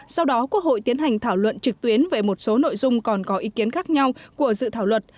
sau đó quốc hội tiến hành thảo luận trực tuyến về một số nội dung còn có ý kiến khác nhau của dự thảo luật